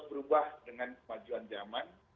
berubah dengan kemajuan zaman